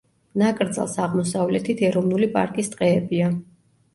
ნაკრძალს აღმოსავლეთით ეროვნული პარკის ტყეებია.